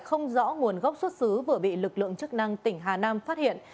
không rõ nguồn gốc xuất xứ vừa bị lực lượng chức năng tỉnh hà nam phát hiện